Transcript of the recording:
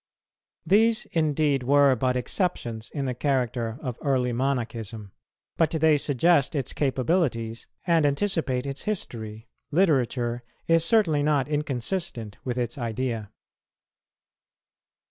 These, indeed, were but exceptions in the character of early Monachism; but they suggest its capabilities and anticipate its history. Literature is certainly not inconsistent with its idea.